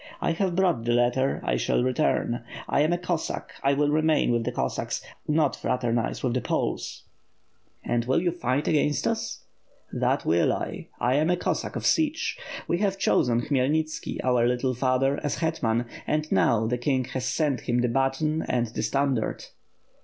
"I have brought the letter, 1 shall return; I am a Cossack, I will remain with the Cossacks, not fraternize with the Poles." "And will you fight against us?" "That will I, I am a Cossack of Sich. We have chosen Khmyelnitski, our little father, as hetman; and now the king has sent him the baton and the standard."